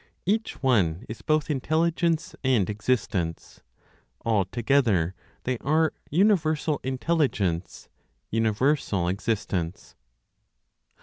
Each one is both intelligence and existence; all together, they are universal Intelligence, universal Existence.